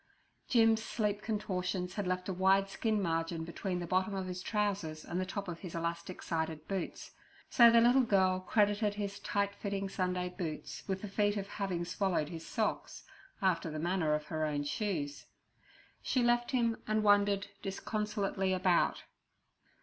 Jim's sleep contortions had left a wide skin margin between the bottom of his trousers and the top of his elastic sided boots, so the little girl credited his tightly fitting Sunday boots with the feat of having swallowed his socks, after the manner of her own shoes. She left him and wandered disconsolately about.